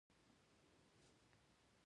کله چې دوی په پای کې کور ته ننوتل